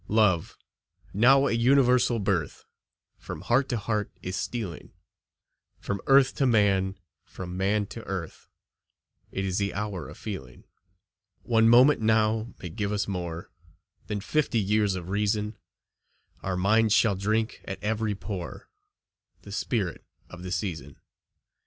Love, now a universal birth, From heart to heart is stealing, From earth to man, from man to earth; It is the hour of feeling. One moment now may give us more Than fifty years of reason; Our minds shall drink at every pore The spirit of the season.